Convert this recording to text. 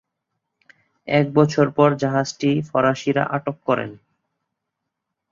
এক বছর পর জাহাজটি ফরাসিরা আটক করে।